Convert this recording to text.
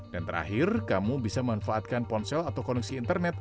dan terakhir kamu bisa manfaatkan ponsel atau koneksi internet